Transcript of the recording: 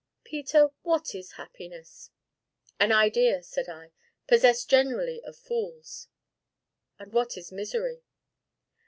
"Peter, what is happiness?" "An idea," said I, "possessed generally of fools!" "And what is misery?"